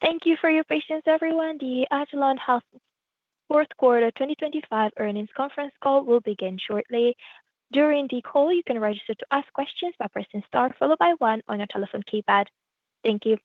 Thank you for your patience, everyone. The agilon health fourth quarter 2025 earnings conference call will begin shortly. During the call, you can register to ask questions by pressing star followed by 1 on your telephone keypad. Thank you.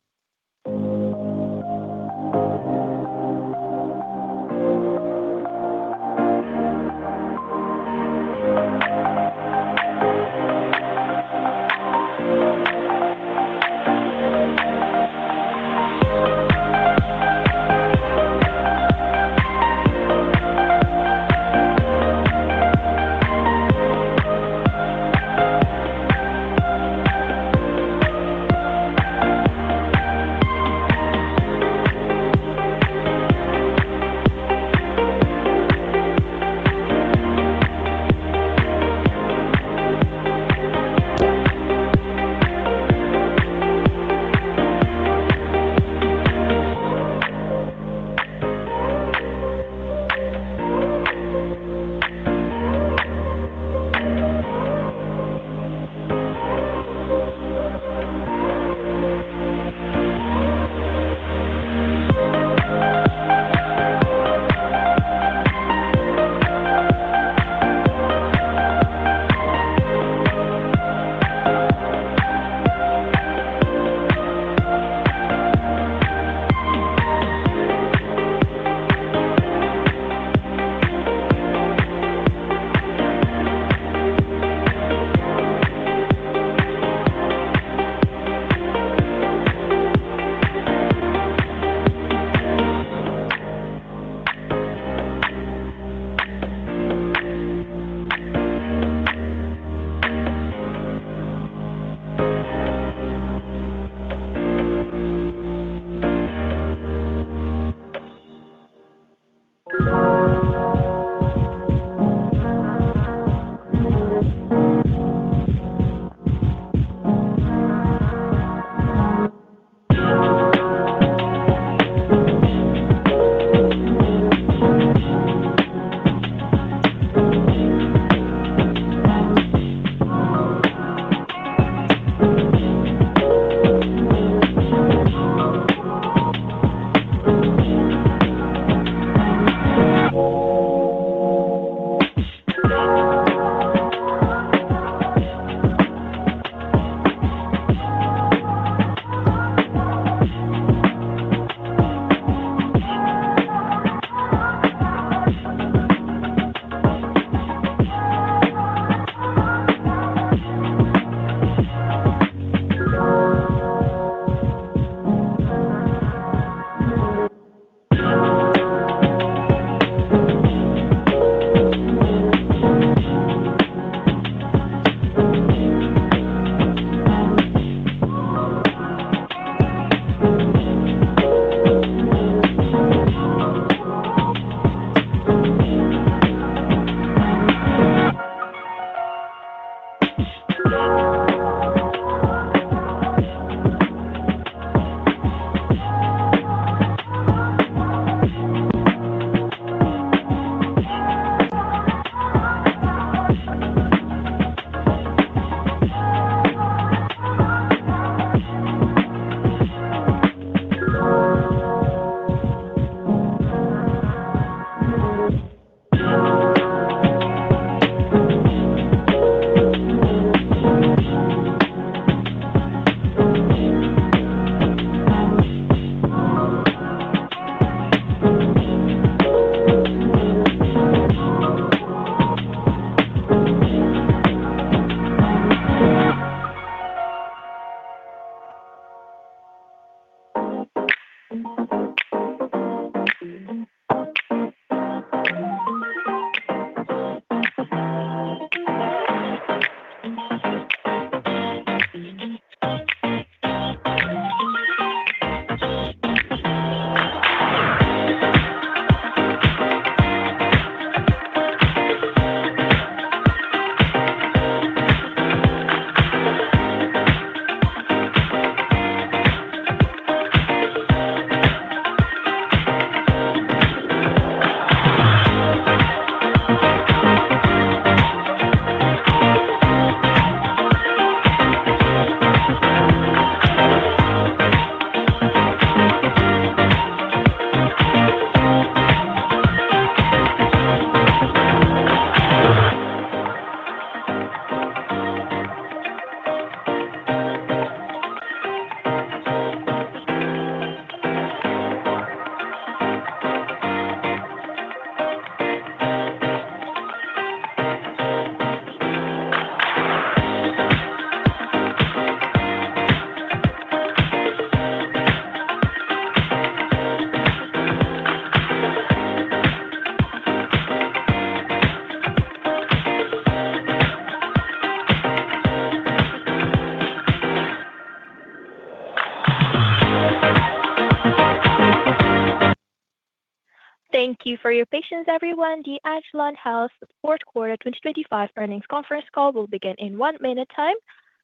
Thank you for your patience, everyone. The agilon health fourth quarter 2025 earnings conference call will begin in 1 minute time.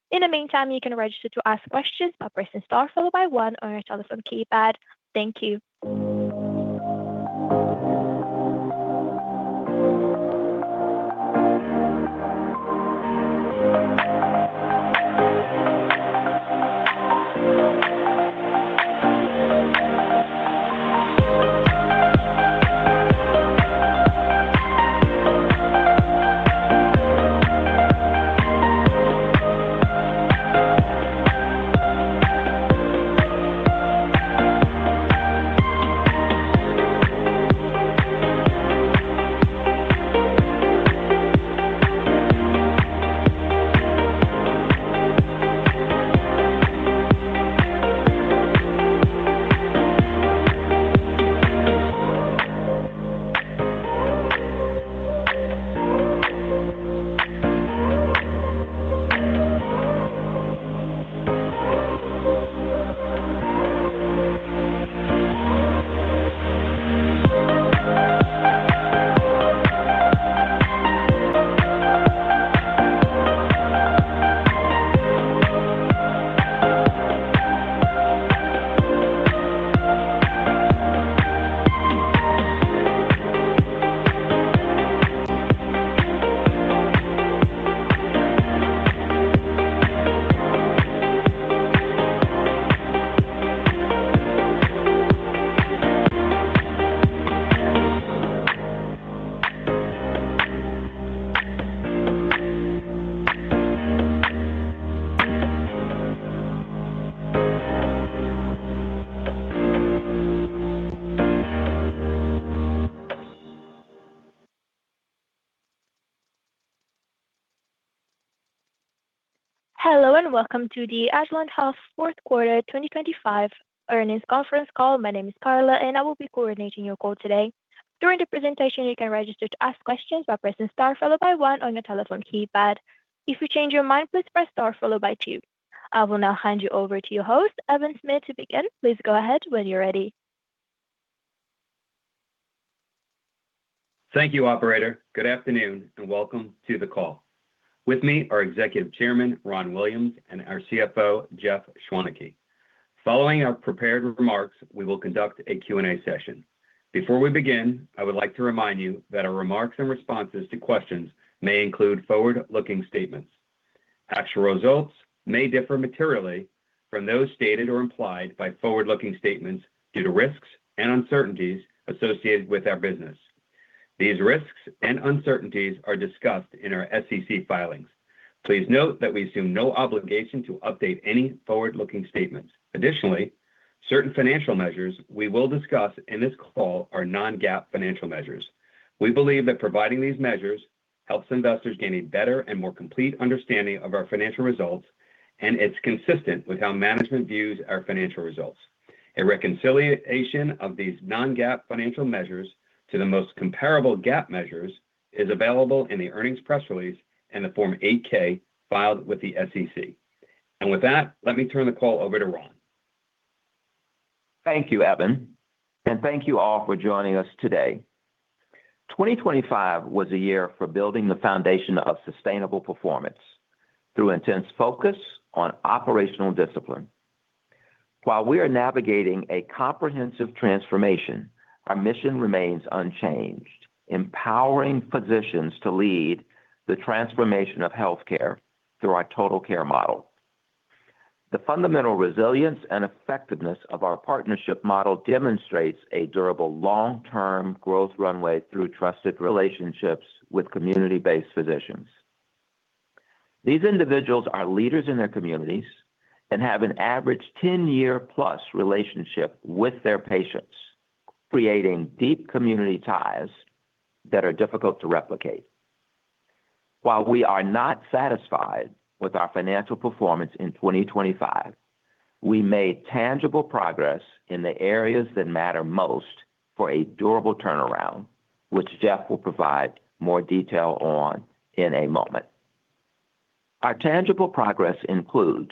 In the meantime, you can register to ask questions by pressing star followed by 1 on your telephone keypad. Thank you. Hello, and welcome to the agilon health fourth quarter 2025 earnings conference call. My name is Carla, and I will be coordinating your call today. During the presentation, you can register to ask questions by pressing star followed by 1 on your telephone keypad. If you change your mind, please press star followed by 2. I will now hand you over to your host, Evan Smith, to begin. Please go ahead when you're ready. Thank you, operator. Good afternoon, welcome to the call. With me are Executive Chairman, Ron Williams, and our CFO, Jeff Schwaneke. Following our prepared remarks, we will conduct a Q&A session. Before we begin, I would like to remind you that our remarks and responses to questions may include forward-looking statements. Actual results may differ materially from those stated or implied by forward-looking statements due to risks and uncertainties associated with our business. These risks and uncertainties are discussed in our SEC filings. Please note that we assume no obligation to update any forward-looking statements. Additionally, certain financial measures we will discuss in this call are non-GAAP financial measures. We believe that providing these measures helps investors gain a better and more complete understanding of our financial results, it's consistent with how management views our financial results. A reconciliation of these non-GAAP financial measures to the most comparable GAAP measures is available in the earnings press release and the Form 8-K filed with the SEC. With that, let me turn the call over to Ron. Thank you, Evan, and thank you all for joining us today. 2025 was a year for building the foundation of sustainable performance through intense focus on operational discipline. While we are navigating a comprehensive transformation, our mission remains unchanged: empowering physicians to lead the transformation of healthcare through our Total Care Model. The fundamental resilience and effectiveness of our partnership model demonstrates a durable, long-term growth runway through trusted relationships with community-based physicians. These individuals are leaders in their communities and have an average 10-year-plus relationship with their patients, creating deep community ties that are difficult to replicate. While we are not satisfied with our financial performance in 2025, we made tangible progress in the areas that matter most for a durable turnaround, which Jeff will provide more detail on in a moment. Our tangible progress includes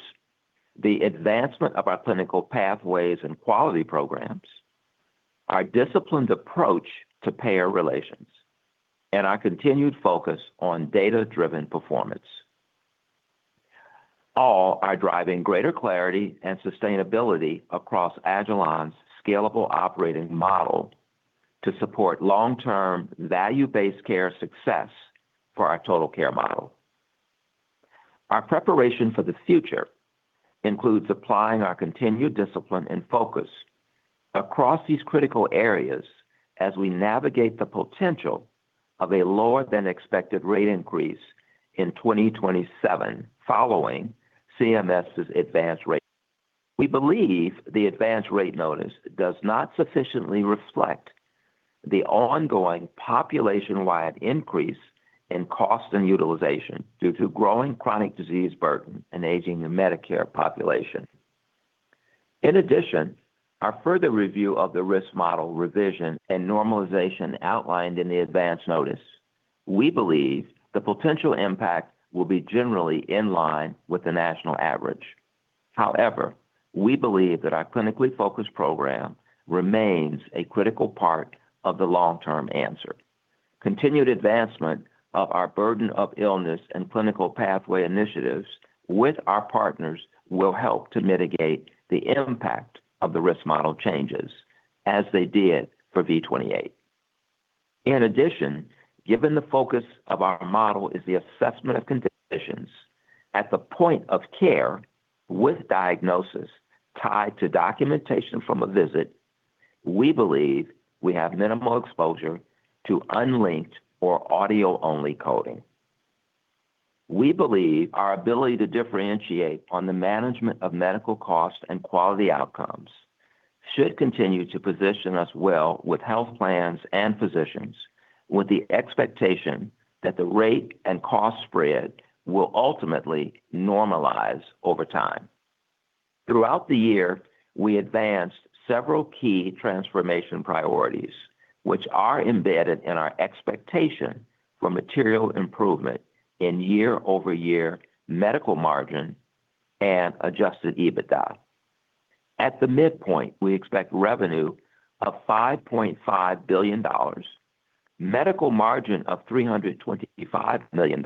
the advancement of our clinical pathways and quality programs, our disciplined approach to payer relations, and our continued focus on data-driven performance. All are driving greater clarity and sustainability across agilon's scalable operating model to support long-term value-based care success for our Total Care Model. Our preparation for the future includes applying our continued discipline and focus across these critical areas as we navigate the potential of a lower-than-expected rate increase in 2027 following CMS's Advance Notice. We believe the Advance Notice does not sufficiently reflect the ongoing population-wide increase in cost and utilization due to growing chronic disease burden and aging the Medicare population. Our further review of the risk model revision and normalization outlined in the Advance Notice, we believe the potential impact will be generally in line with the national average. However, we believe that our clinically focused program remains a critical part of the long-term answer. Continued advancement of our burden of illness and clinical pathway initiatives with our partners will help to mitigate the impact of the risk model changes as they did for V28. In addition, given the focus of our model is the assessment of conditions at the point of care with diagnosis tied to documentation from a visit, we believe we have minimal exposure to unlinked or audio-only coding. We believe our ability to differentiate on the management of medical costs and quality outcomes should continue to position us well with health plans and physicians, with the expectation that the rate and cost spread will ultimately normalize over time. Throughout the year, we advanced several key transformation priorities, which are embedded in our expectation for material improvement in year-over-year medical margin and adjusted EBITDA. At the midpoint, we expect revenue of $5.5 billion, medical margin of $325 million,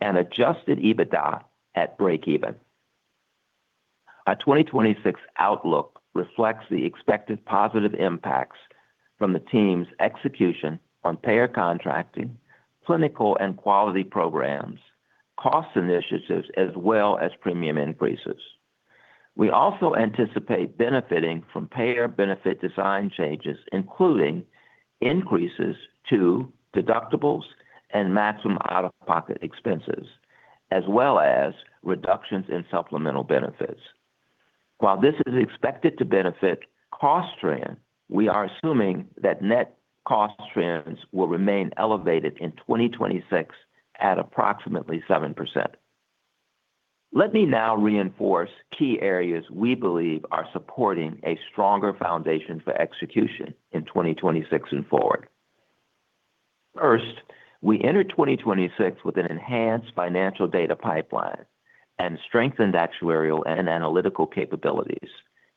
and adjusted EBITDA at breakeven. Our 2026 outlook reflects the expected positive impacts from the team's execution on payer contracting, clinical and quality programs, cost initiatives, as well as premium increases. We also anticipate benefiting from payer benefit design changes, including increases to deductibles and maximum out-of-pocket expenses, as well as reductions in supplemental benefits. While this is expected to benefit cost trend, we are assuming that net cost trends will remain elevated in 2026 at approximately 7%. Let me now reinforce key areas we believe are supporting a stronger foundation for execution in 2026 and forward. First, we enter 2026 with an enhanced financial data pipeline and strengthened actuarial and analytical capabilities,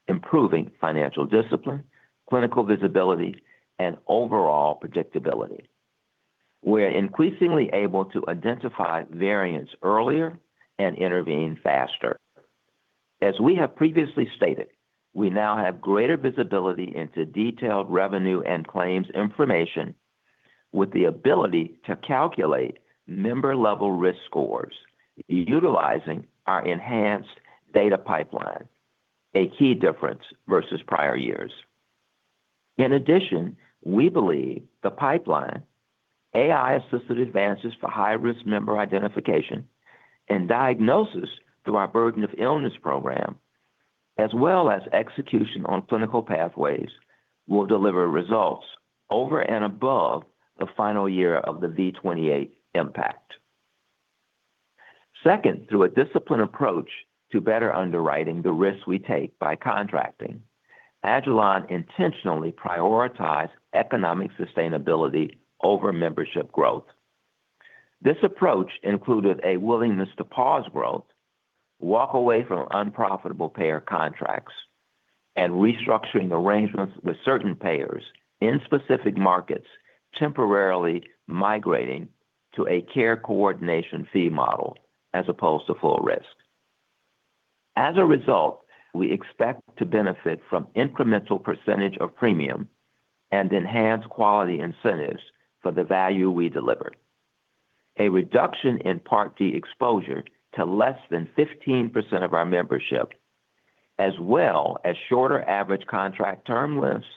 improving financial discipline, clinical visibility, and overall predictability. We're increasingly able to identify variants earlier and intervene faster. As we have previously stated, we now have greater visibility into detailed revenue and claims information, with the ability to calculate member-level risk scores utilizing our enhanced data pipeline, a key difference versus prior years. In addition, we believe the pipeline, AI-assisted advances for high-risk member identification and diagnosis through our Burden of Illness program, as well as execution on clinical pathways, will deliver results over and above the final year of the V28 impact. Second, through a disciplined approach to better underwriting the risks we take by contracting, agilon intentionally prioritized economic sustainability over membership growth. This approach included a willingness to pause growth, walk away from unprofitable payer contracts, and restructuring arrangements with certain payers in specific markets, temporarily migrating to a care coordination fee model as opposed to full risk. As a result, we expect to benefit from incremental percentage of premium and enhanced quality incentives for the value we deliver. A reduction in Part D exposure to less than 15% of our membership, as well as shorter average contract term lists,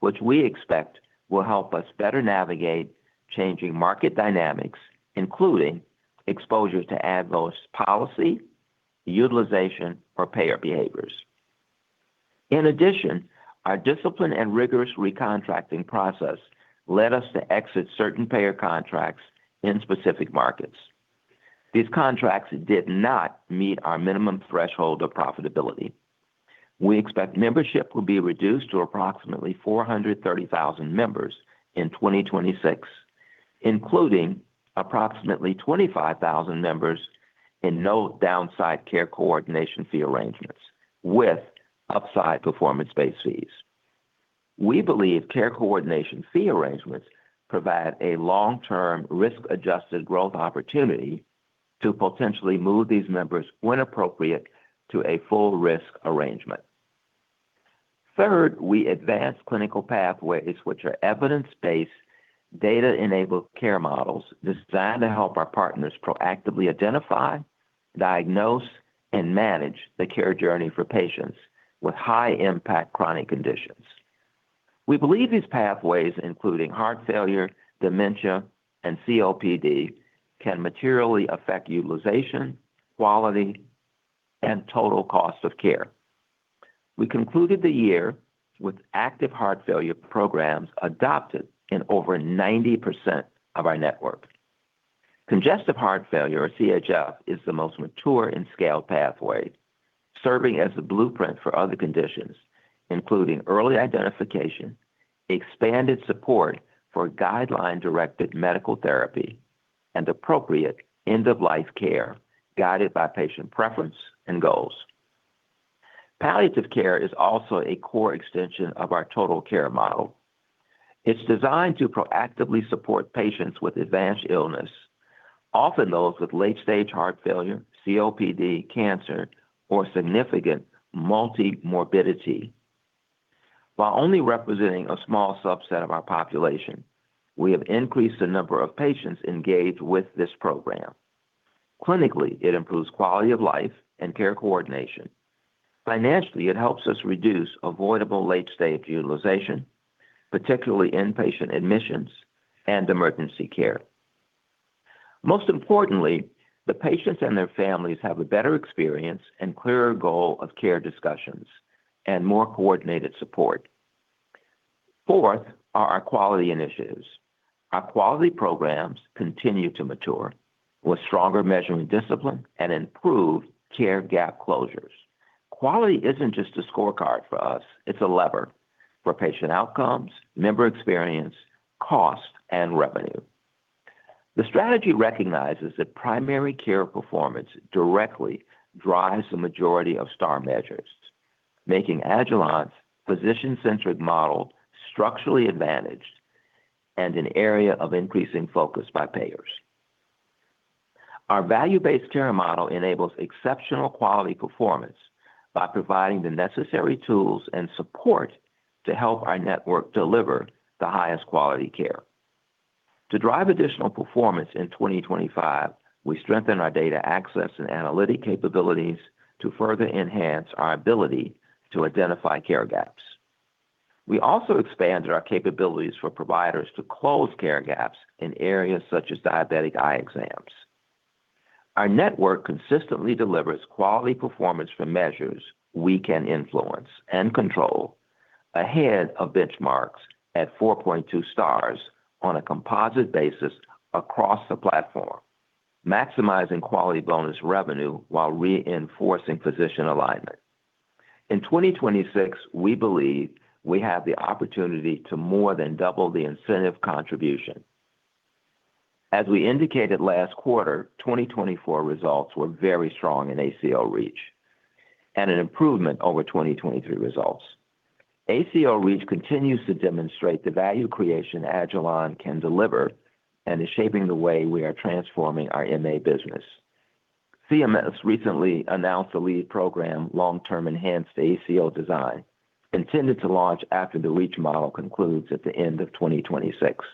which we expect will help us better navigate changing market dynamics, including exposures to adverse policy, utilization, or payer behaviors. In addition, our disciplined and rigorous recontracting process led us to exit certain payer contracts in specific markets. These contracts did not meet our minimum threshold of profitability. We expect membership will be reduced to approximately 430,000 members in 2026, including approximately 25,000 members in no downside care coordination fee arrangements with upside performance-based fees. We believe care coordination fee arrangements provide a long-term, risk-adjusted growth opportunity to potentially move these members, when appropriate, to a full risk arrangement. Third, we advanced clinical pathways, which are evidence-based, data-enabled care models designed to help our partners proactively identify, diagnose, and manage the care journey for patients with high-impact chronic conditions. We believe these pathways, including heart failure, dementia, and COPD, can materially affect utilization, quality, and total cost of care. We concluded the year with active heart failure programs adopted in over 90% of our network. Congestive heart failure, or CHF, is the most mature and scaled pathway, serving as the blueprint for other conditions, including early identification, expanded support for Guideline-Directed Medical Therapy, and appropriate end-of-life care guided by patient preference and goals. Palliative care is also a core extension of our Total Care Model. It's designed to proactively support patients with advanced illness, often those with late-stage heart failure, COPD, cancer, or significant multimorbidity. While only representing a small subset of our population, we have increased the number of patients engaged with this program. Clinically, it improves quality of life and care coordination. Financially, it helps us reduce avoidable late-stage utilization, particularly inpatient admissions and emergency care. Most importantly, the patients and their families have a better experience and clearer goal of care discussions and more coordinated support. Fourth, are our quality initiatives. Our quality programs continue to mature with stronger measurement discipline and improved care gap closures. Quality isn't just a scorecard for us, it's a lever for patient outcomes, member experience, cost, and revenue. The strategy recognizes that primary care performance directly drives the majority of Star measures, making agilon's physician-centric model structurally advantaged and an area of increasing focus by payers. Our value-based care model enables exceptional quality performance by providing the necessary tools and support to help our network deliver the highest quality care. To drive additional performance in 2025, we strengthened our data access and analytic capabilities to further enhance our ability to identify care gaps. We also expanded our capabilities for providers to close care gaps in areas such as diabetic eye exams. Our network consistently delivers quality performance for measures we can influence and control ahead of benchmarks at 4.2 stars on a composite basis across the platform, maximizing quality bonus revenue while reinforcing physician alignment. In 2026, we believe we have the opportunity to more than double the incentive contribution. We indicated last quarter, 2024 results were very strong in ACO REACH and an improvement over 2023 results. ACO REACH continues to demonstrate the value creation agilon can deliver and is shaping the way we are transforming our MA business. CMS recently announced the LEAD program, Long-term Enhanced ACO Design, intended to launch after the REACH model concludes at the end of 2026.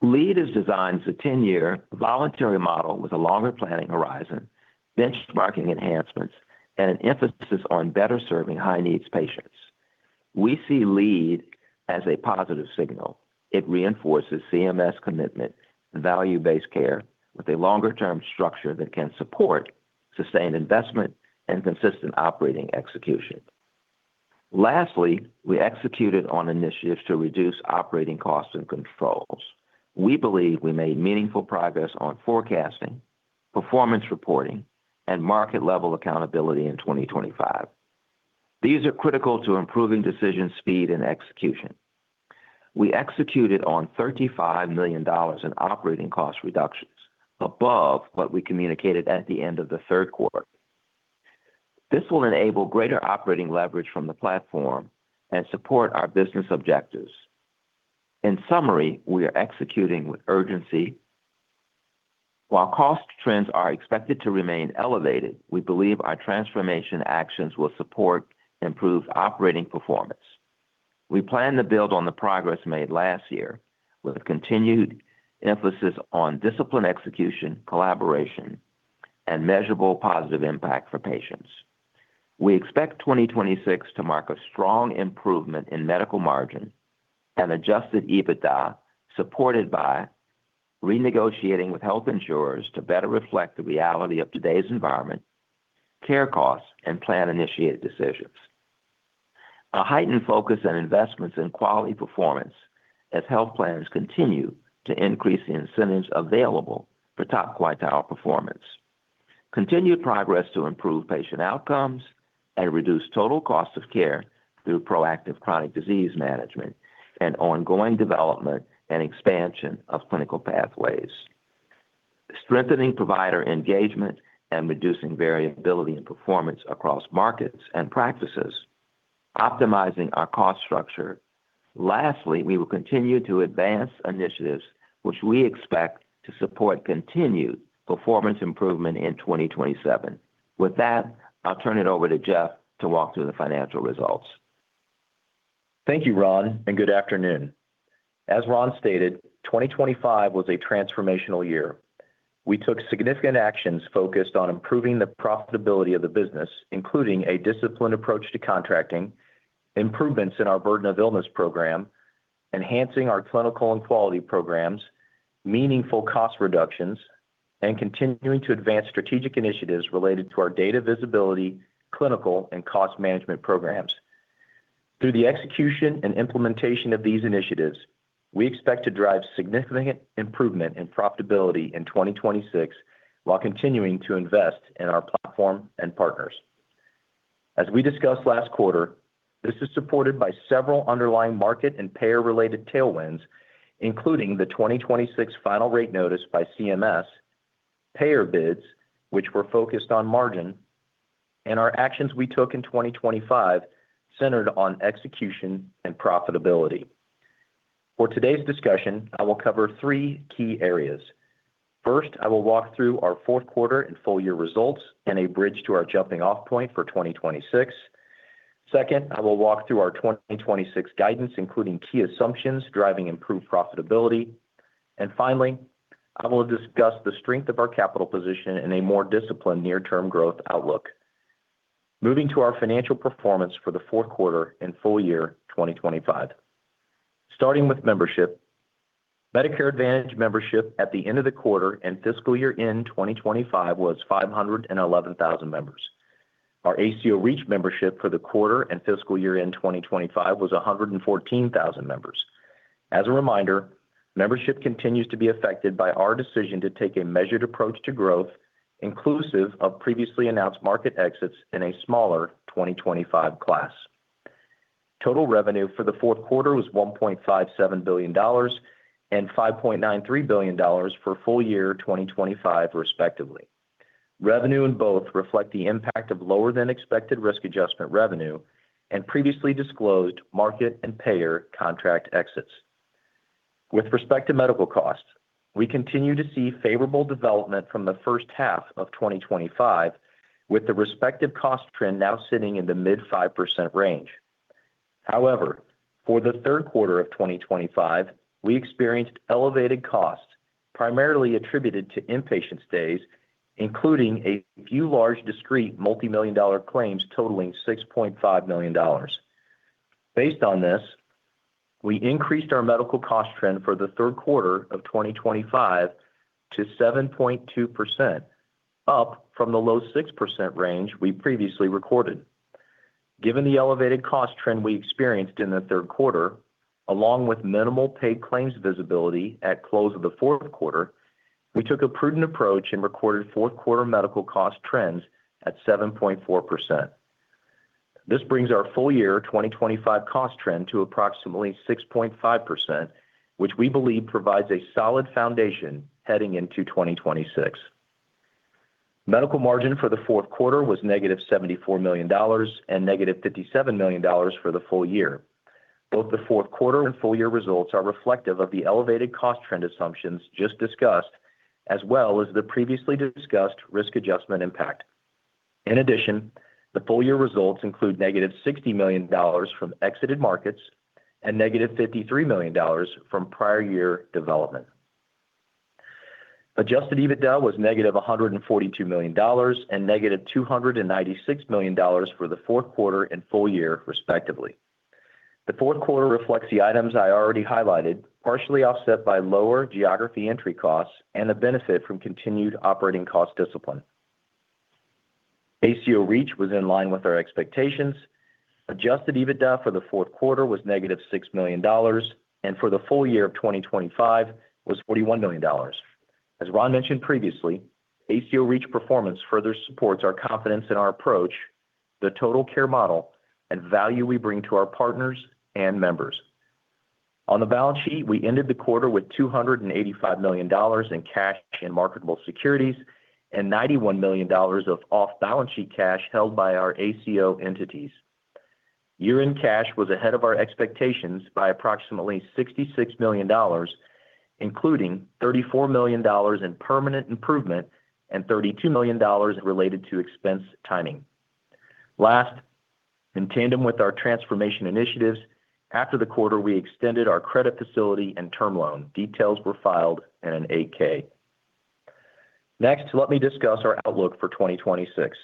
LEAD is designed as a 10-year voluntary model with a longer planning horizon, benchmarking enhancements, and an emphasis on better serving high-needs patients. We see LEAD as a positive signal. It reinforces CMS commitment to value-based care with a longer-term structure that can support sustained investment and consistent operating execution. We executed on initiatives to reduce operating costs and controls. We believe we made meaningful progress on forecasting, performance reporting, and market-level accountability in 2025. These are critical to improving decision speed and execution. We executed on $35 million in operating cost reductions above what we communicated at the end of the third quarter. This will enable greater operating leverage from the platform and support our business objectives. In summary, we are executing with urgency. While cost trends are expected to remain elevated, we believe our transformation actions will support improved operating performance. We plan to build on the progress made last year with a continued emphasis on discipline, execution, collaboration, and measurable positive impact for patients. We expect 2026 to mark a strong improvement in medical margin and adjusted EBITDA, supported by renegotiating with health insurers to better reflect the reality of today's environment, care costs, and plan-initiated decisions. A heightened focus on investments in quality performance as health plans continue to increase the incentives available for top quintile performance. Continued progress to improve patient outcomes and reduce total cost of care through proactive chronic disease management and ongoing development and expansion of clinical pathways. Strengthening provider engagement and reducing variability in performance across markets and practices, optimizing our cost structure. Lastly, we will continue to advance initiatives which we expect to support continued performance improvement in 2027. With that, I'll turn it over to Jeff to walk through the financial results. Thank you, Ron, and good afternoon. As Ron stated, 2025 was a transformational year. We took significant actions focused on improving the profitability of the business, including a disciplined approach to contracting, improvements in our burden of illness program, enhancing our clinical and quality programs, meaningful cost reductions, and continuing to advance strategic initiatives related to our data visibility, clinical, and cost management programs. Through the execution and implementation of these initiatives, we expect to drive significant improvement in profitability in 2026, while continuing to invest in our platform and partners. As we discussed last quarter, this is supported by several underlying market and payer-related tailwinds, including the 2026 final rate notice by CMS, payer bids, which were focused on margin. Our actions we took in 2025 centered on execution and profitability. For today's discussion, I will cover 3 key areas. First, I will walk through our fourth quarter and full year results and a bridge to our jumping-off point for 2026. Second, I will walk through our 2026 guidance, including key assumptions driving improved profitability. Finally, I will discuss the strength of our capital position in a more disciplined near-term growth outlook. Moving to our financial performance for the fourth quarter and full year 2025. Starting with membership, Medicare Advantage membership at the end of the quarter and fiscal year in 2025 was 511,000 members. Our ACO REACH membership for the quarter and fiscal year in 2025 was 114,000 members. As a reminder, membership continues to be affected by our decision to take a measured approach to growth, inclusive of previously announced market exits in a smaller 2025 class. Total revenue for the fourth quarter was $1.57 billion and $5.93 billion for full year 2025, respectively. Revenue in both reflect the impact of lower than expected risk adjustment revenue and previously disclosed market and payer contract exits. With respect to medical costs, we continue to see favorable development from the first half of 2025, with the respective cost trend now sitting in the mid-5% range. For the third quarter of 2025, we experienced elevated costs, primarily attributed to inpatient stays, including a few large, discrete, multimillion-dollar claims totaling $6.5 million. Based on this, we increased our medical cost trend for the third quarter of 2025 to 7.2%, up from the low-6% range we previously recorded. Given the elevated cost trend we experienced in the third quarter, along with minimal paid claims visibility at close of the fourth quarter, we took a prudent approach and recorded fourth quarter medical cost trends at 7.4%. This brings our full year 2025 cost trend to approximately 6.5%, which we believe provides a solid foundation heading into 2026. medical margin for the fourth quarter was -$74 million and -$57 million for the full year. Both the fourth quarter and full year results are reflective of the elevated cost trend assumptions just discussed, as well as the previously discussed risk adjustment impact. The full year results include -$60 million from exited markets and -$53 million from prior year development. Adjusted EBITDA was -$142 million, and -$296 million for the fourth quarter and full year, respectively. The fourth quarter reflects the items I already highlighted, partially offset by lower geographic entry costs and the benefit from continued operating cost discipline. ACO REACH was in line with our expectations. Adjusted EBITDA for the fourth quarter was -$6 million, and for the full year of 2025 was $41 million. As Ron mentioned previously, ACO REACH performance further supports our confidence in our approach, the Total Care Model, and value we bring to our partners and members. On the balance sheet, we ended the quarter with $285 million in cash and marketable securities and $91 million of off-balance sheet cash held by our ACO entities. Year-end cash was ahead of our expectations by approximately $66 million, including $34 million in permanent improvement and $32 million related to expense timing. In tandem with our transformation initiatives, after the quarter, we extended our credit facility and term loan. Details were filed in an 8-K. Next, let me discuss our outlook for 2026.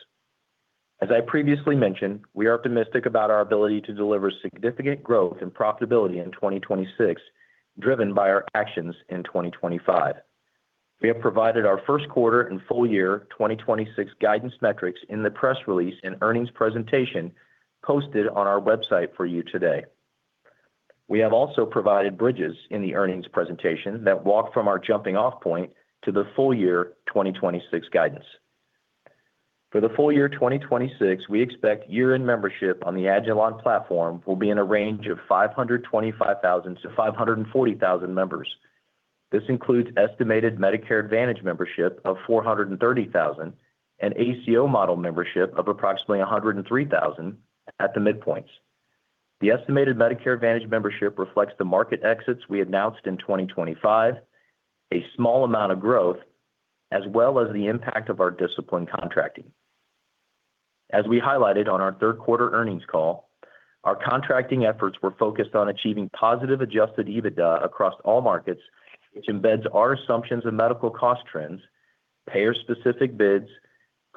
As I previously mentioned, we are optimistic about our ability to deliver significant growth and profitability in 2026, driven by our actions in 2025. We have provided our first quarter and full year 2026 guidance metrics in the press release and earnings presentation posted on our website for you today. We have also provided bridges in the earnings presentation that walk from our jumping-off point to the full year 2026 guidance. For the full year 2026, we expect year-end membership on the agilon platform will be in a range of 525,000-540,000 members. This includes estimated Medicare Advantage membership of 430,000 and ACO model membership of approximately 103,000 at the midpoints. The estimated Medicare Advantage membership reflects the market exits we announced in 2025, a small amount of growth, as well as the impact of our discipline contracting. As we highlighted on our third quarter earnings call, our contracting efforts were focused on achieving positive adjusted EBITDA across all markets, which embeds our assumptions and medical cost trends, payer-specific bids,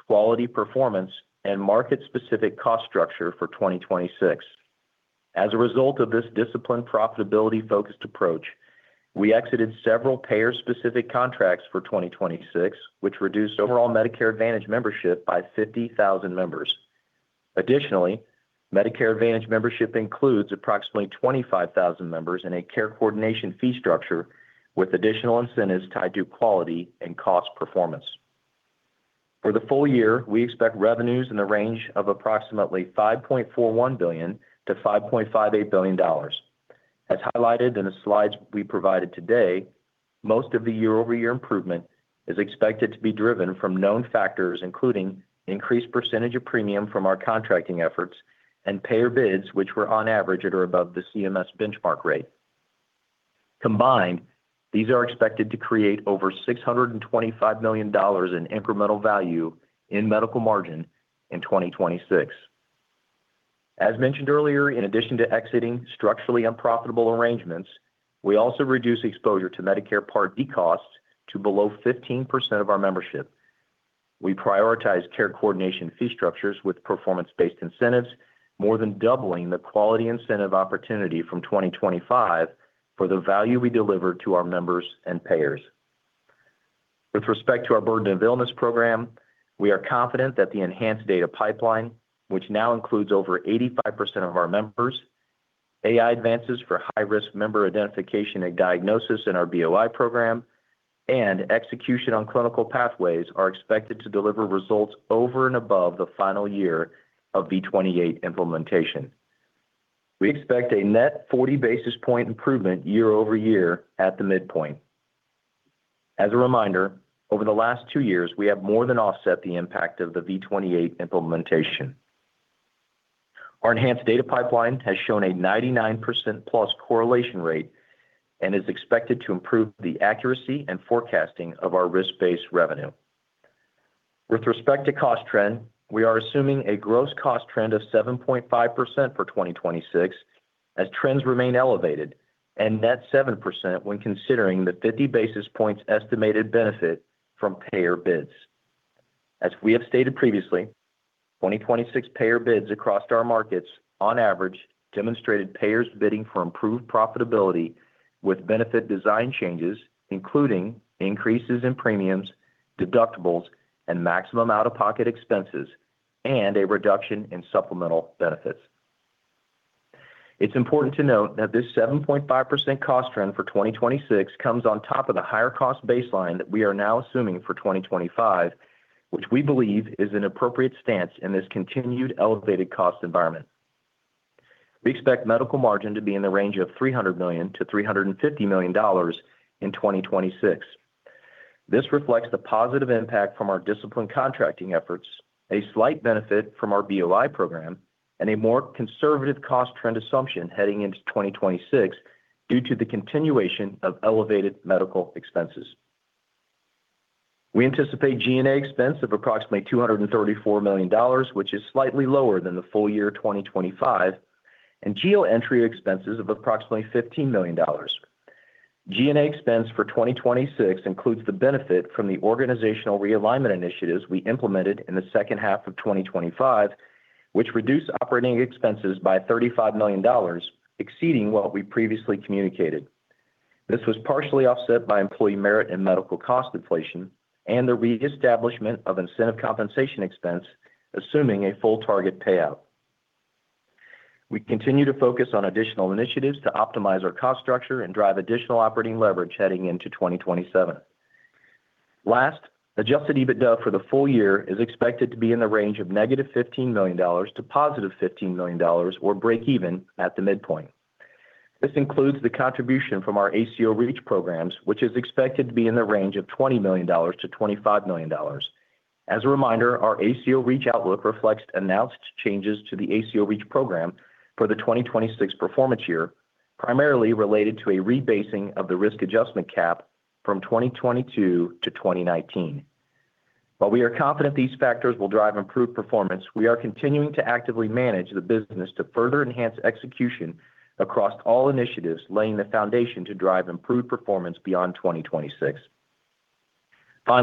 quality performance, and market-specific cost structure for 2026. As a result of this disciplined, profitability-focused approach, we exited several payer-specific contracts for 2026, which reduced overall Medicare Advantage membership by 50,000 members. Additionally, Medicare Advantage membership includes approximately 25,000 members in a care coordination fee structure, with additional incentives tied to quality and cost performance. For the full year, we expect revenues in the range of approximately $5.41 billion-$5.58 billion. As highlighted in the slides we provided today, most of the year-over-year improvement is expected to be driven from known factors, including increased percentage of premium from our contracting efforts and payer bids, which were on average at or above the CMS benchmark rate. Combined, these are expected to create over $625 million in incremental value in medical margin in 2026. As mentioned earlier, in addition to exiting structurally unprofitable arrangements, we also reduce exposure to Medicare Part D costs to below 15% of our membership. We prioritize care coordination fee structures with performance-based incentives, more than doubling the quality incentive opportunity from 2025 for the value we deliver to our members and payers. With respect to our burden of illness program, we are confident that the enhanced data pipeline, which now includes over 85% of our members, AI advances for high-risk member identification and diagnosis in our BOI program, and execution on clinical pathways, are expected to deliver results over and above the final year of V28 implementation. We expect a net 40 basis point improvement year-over-year at the midpoint. As a reminder, over the last two years, we have more than offset the impact of the V28 implementation. Our enhanced data pipeline has shown a 99%+ correlation rate and is expected to improve the accuracy and forecasting of our risk-based revenue. With respect to cost trend, we are assuming a gross cost trend of 7.5% for 2026, as trends remain elevated, and net 7% when considering the 50 basis points estimated benefit from payer bids. As we have stated previously, 2026 payer bids across our markets on average, demonstrated payers bidding for improved profitability with benefit design changes, including increases in premiums, deductibles, and maximum out-of-pocket expenses, and a reduction in supplemental benefits. It's important to note that this 7.5% cost trend for 2026 comes on top of the higher cost baseline that we are now assuming for 2025, which we believe is an appropriate stance in this continued elevated cost environment. We expect medical margin to be in the range of $300 million-$350 million in 2026. This reflects the positive impact from our disciplined contracting efforts, a slight benefit from our BOI program, and a more conservative cost trend assumption heading into 2026 due to the continuation of elevated medical expenses. We anticipate G&A expense of approximately $234 million, which is slightly lower than the full year 2025, and geo entry expenses of approximately $15 million. G&A expense for 2026 includes the benefit from the organizational realignment initiatives we implemented in the second half of 2025, which reduced operating expenses by $35 million, exceeding what we previously communicated. This was partially offset by employee merit and medical cost inflation and the reestablishment of incentive compensation expense, assuming a full target payout. We continue to focus on additional initiatives to optimize our cost structure and drive additional operating leverage heading into 2027. adjusted EBITDA for the full year is expected to be in the range of -$15 million to +$15 million or break even at the midpoint. This includes the contribution from our ACO REACH programs, which is expected to be in the range of $20 million-$25 million. As a reminder, our ACO REACH outlook reflects announced changes to the ACO REACH program for the 2026 performance year, primarily related to a rebasing of the risk adjustment cap from 2022 to 2019. We are confident these factors will drive improved performance. We are continuing to actively manage the business to further enhance execution across all initiatives, laying the foundation to drive improved performance beyond 2026. I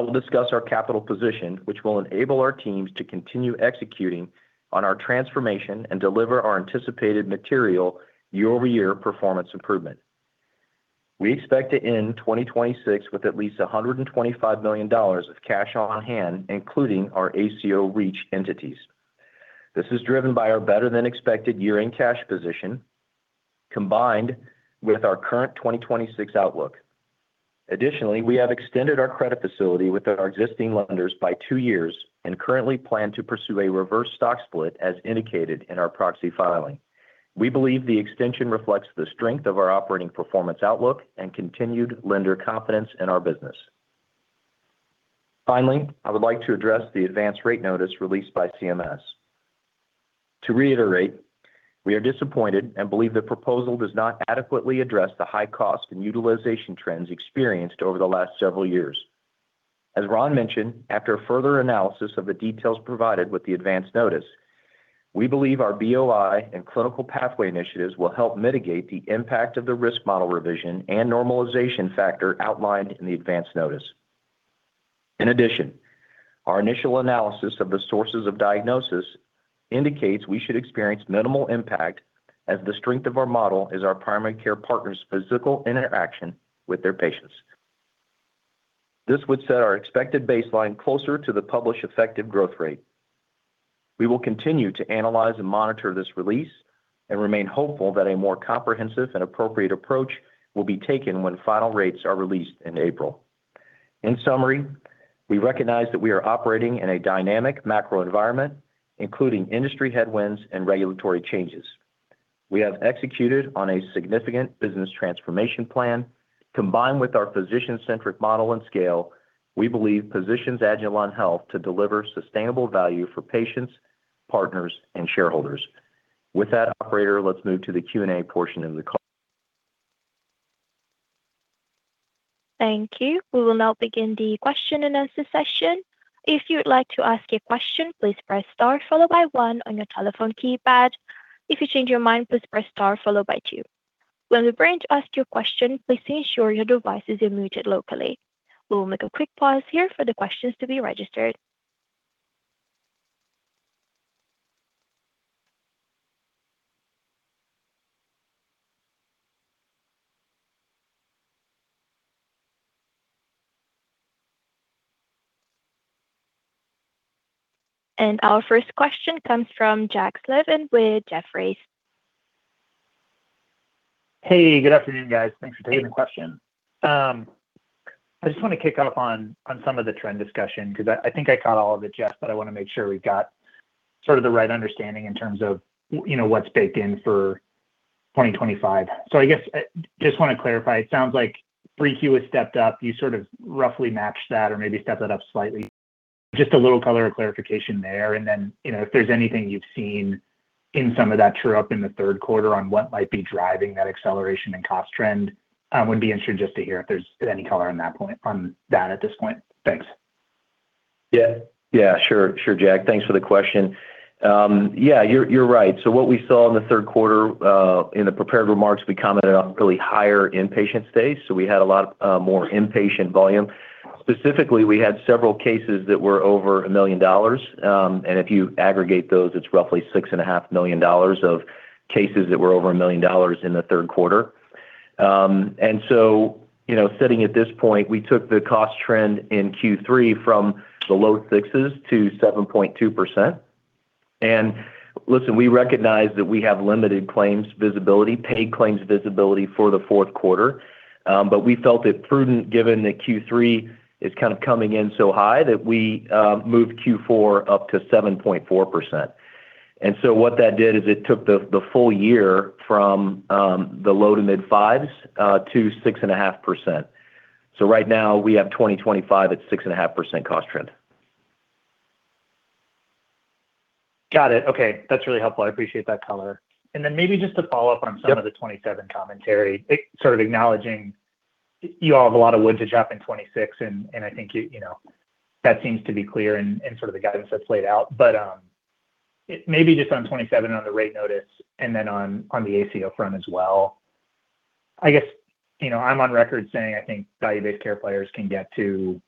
will discuss our capital position, which will enable our teams to continue executing on our transformation and deliver our anticipated material year-over-year performance improvement. We expect to end 2026 with at least $125 million of cash on hand, including our ACO REACH entities. This is driven by our better-than-expected year-end cash position, combined with our current 2026 outlook. We have extended our credit facility with our existing lenders by two years and currently plan to pursue a reverse stock split as indicated in our proxy filing. We believe the extension reflects the strength of our operating performance outlook and continued lender confidence in our business. I would like to address the Advance Notice rate notice released by CMS. To reiterate, we are disappointed and believe the proposal does not adequately address the high cost and utilization trends experienced over the last several years. As Ron mentioned, after further analysis of the details provided with the Advance Notice, we believe our BOI and clinical pathway initiatives will help mitigate the impact of the risk model revision and normalization factor outlined in the Advance Notice. In addition, our initial analysis of the sources of diagnosis indicates we should experience minimal impact, as the strength of our model is our primary care partners' physical interaction with their patients. This would set our expected baseline closer to the published Effective Growth Rate. We will continue to analyze and monitor this release, and remain hopeful that a more comprehensive and appropriate approach will be taken when final rates are released in April.... In summary, we recognize that we are operating in a dynamic macro environment, including industry headwinds and regulatory changes. We have executed on a significant business transformation plan. Combined with our physician-centric model and scale, we believe positions agilon health to deliver sustainable value for patients, partners, and shareholders. With that, operator, let's move to the Q&A portion of the call. Thank you. We will now begin the question-and-answer session. If you would like to ask a question, please press star followed by 1 on your telephone keypad. If you change your mind, please press star followed by 2. When we bring to ask your question, please ensure your device is unmuted locally. We will make a quick pause here for the questions to be registered. Our first question comes from Jack Slevin with Jefferies. Hey, good afternoon, guys. Thanks for taking the question. I just want to kick off on some of the trend discussion because I think I caught all of it, Jeff, but I wanna make sure we've got sort of the right understanding in terms of, you know, what's baked in for 2025. I guess I just want to clarify. It sounds like 3Q has stepped up. You sort of roughly matched that or maybe stepped that up slightly. Just a little color of clarification there, and then, you know, if there's anything you've seen in some of that true up in the third quarter on what might be driving that acceleration and cost trend, I would be interested just to hear if there's any color on that point, on that at this point. Thanks. Yeah, sure, Jack. Thanks for the question. Yeah, you're right. So what we saw in the third quarter, in the prepared remarks, we commented on really higher inpatient stays, so we had a lot more inpatient volume. Specifically, we had several cases that were over $1 million, and if you aggregate those, it's roughly $6.5 million of cases that were over $1 million in the third quarter. So, you know, sitting at this point, we took the cost trend in Q3 from the low sixes to 7.2%. Listen, we recognize that we have limited claims visibility, paid claims visibility for the fourth quarter, but we felt it prudent, given that Q3 is kind of coming in so high, that we moved Q4 up to 7.4%. What that did is it took the full year from the low to mid 5s to 6.5%. Right now, we have 2025 at 6.5% cost trend. Got it. Okay. That's really helpful. I appreciate that color. Then maybe just to follow up on some- Yep... of the 27 commentary, it sort of acknowledging you all have a lot of wood to chop in 26, and I think you know, that seems to be clear in sort of the guidance that's laid out. Maybe just on 27 on the rate notice and then on the ACO front as well. I guess, you know, I'm on record saying I think value-based care players can get to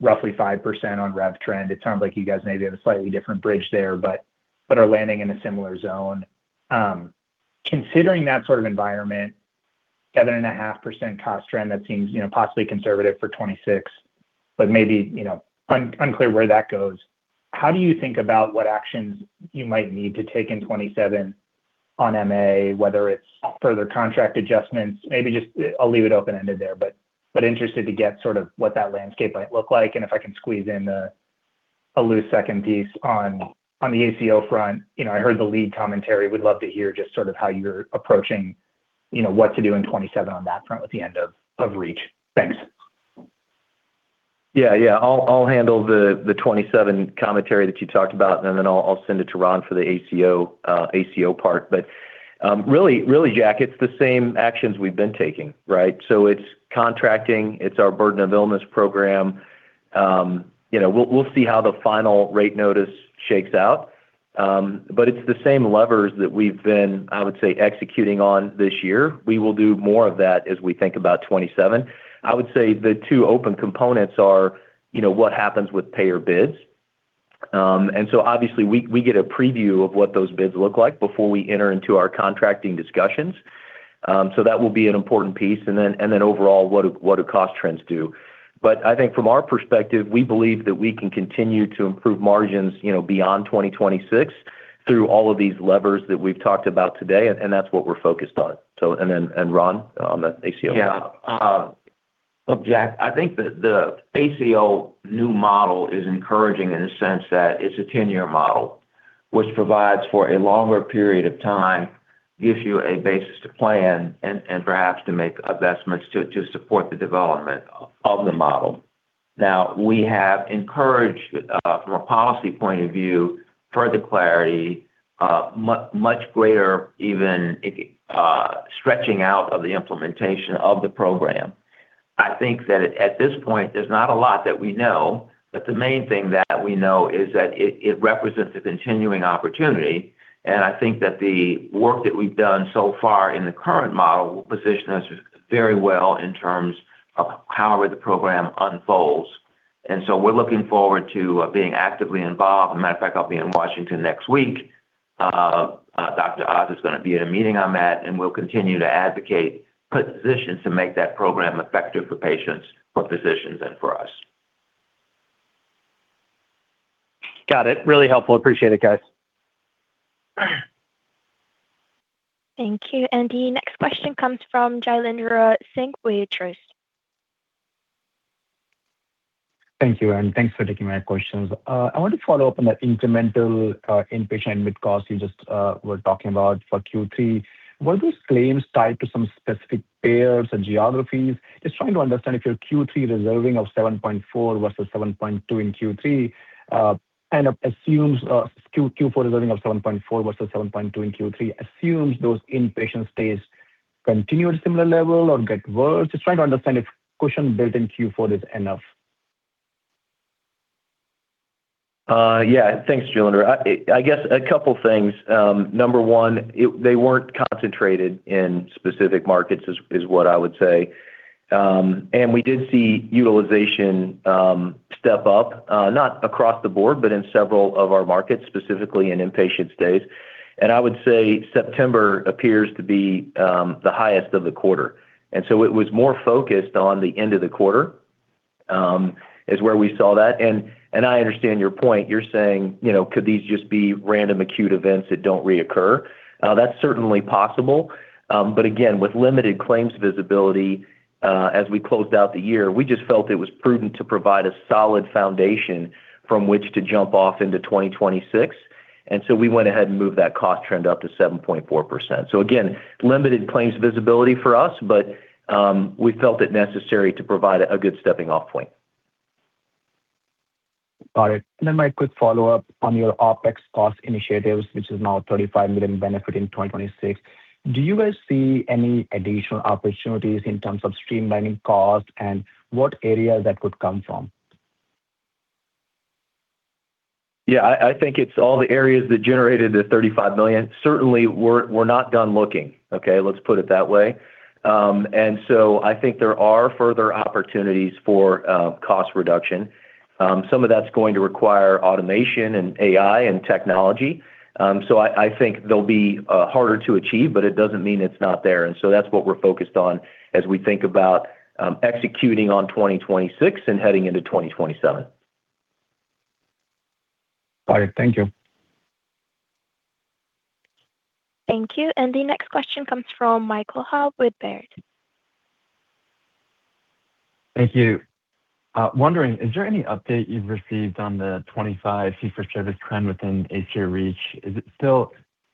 roughly 5% on rev trend. It sounds like you guys maybe have a slightly different bridge there, but are landing in a similar zone. Considering that sort of environment, 7.5% cost trend, that seems, you know, possibly conservative for 26, but maybe, you know, unclear where that goes. How do you think about what actions you might need to take in 27 on MA, whether it's further contract adjustments? Maybe just, I'll leave it open-ended there, but interested to get sort of what that landscape might look like. If I can squeeze in a loose second piece on the ACO front. You know, I heard the LEAD commentary. Would love to hear just sort of how you're approaching, you know, what to do in 27 on that front with the end of REACH. Thanks. Yeah, yeah. I'll handle the 27 commentary that you talked about, then I'll send it to Ron for the ACO part. Really, Jack, it's the same actions we've been taking, right? It's contracting, it's our burden of illness program. You know, we'll see how the final rate notice shakes out, but it's the same levers that we've been, I would say, executing on this year. We will do more of that as we think about 27. I would say the two open components are, you know, what happens with payer bids. Obviously, we get a preview of what those bids look like before we enter into our contracting discussions. That will be an important piece. Then overall, what do cost trends do? I think from our perspective, we believe that we can continue to improve margins, you know, beyond 2026 through all of these levers that we've talked about today, and that's what we're focused on. Ron, on the ACO? Yeah. Look, Jack, I think the ACO new model is encouraging in the sense that it's a 10-year model, which provides for a longer period of time, gives you a basis to plan and perhaps to make investments to support the development of the model. Now, we have encouraged, from a policy point of view, further clarity, much greater, even if stretching out of the implementation of the program. I think that at this point, there's not a lot that we know, but the main thing that we know is that it represents a continuing opportunity, and I think that the work that we've done so far in the current model will position us very well in terms of however the program unfolds. We're looking forward to being actively involved. As a matter of fact, I'll be in Washington next week. Dr. Oz is gonna be in a meeting I'm at. We'll continue to advocate positions to make that program effective for patients, for physicians, and for us. Got it. Really helpful. Appreciate it, guys. Thank you. The next question comes from Jailendra Singh with Truist. Thank you, and thanks for taking my questions. I want to follow up on that incremental, inpatient mid cost you just were talking about for Q3. Were those claims tied to some specific payers or geographies? Just trying to understand if your Q3 reserving of 7.4 versus 7.2 in Q3, kind of assumes, Q4 reserving of 7.4 versus 7.2 in Q3 assumes those inpatient stays continue at a similar level or get worse. Just trying to understand if cushion built in Q4 is enough. Yeah. Thanks, Jailendra. I guess a couple things. Number 1, they weren't concentrated in specific markets, is what I would say. We did see utilization step up not across the board, but in several of our markets, specifically in inpatient stays. I would say September appears to be the highest of the quarter, it was more focused on the end of the quarter is where we saw that. I understand your point. You're saying, you know, could these just be random, acute events that don't reoccur? That's certainly possible. Again, with limited claims visibility, as we closed out the year, we just felt it was prudent to provide a solid foundation from which to jump off into 2026. We went ahead and moved that cost trend up to 7.4%. Again, limited claims visibility for us, but we felt it necessary to provide a good stepping-off point. Got it. My quick follow-up on your OpEx cost initiatives, which is now $35 million benefit in 2026. Do you guys see any additional opportunities in terms of streamlining cost and what areas that could come from? Yeah, I think it's all the areas that generated the $35 million. Certainly we're not done looking, okay? Let's put it that way. I think there are further opportunities for cost reduction. Some of that's going to require automation and AI and technology. I think they'll be harder to achieve, but it doesn't mean it's not there. That's what we're focused on as we think about executing on 2026 and heading into 2027. Got it. Thank you. Thank you. The next question comes from Michael Ha with Baird. Thank you. Wondering, is there any update you've received on the 25 fee-for-service trend within ACO REACH? Is it still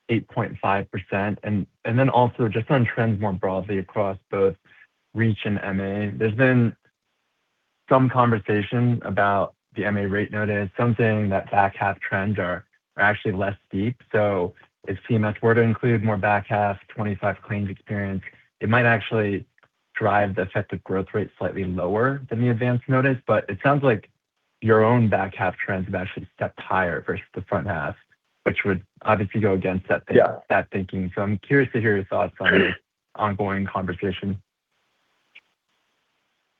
8.5%? Also just on trends more broadly across both REACH and MA, there's been some conversation about the MA rate notice, some saying that back half trends are actually less steep. If CMS were to include more back half 25 claims experience, it might actually drive the Effective Growth Rate slightly lower than the Advance Notice. It sounds like your own back half trends have actually stepped higher versus the front half, which would obviously go against that- Yeah... that thinking. I'm curious to hear your thoughts on this. Right ongoing conversation.